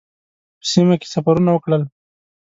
په سیمه کې سفرونه وکړل.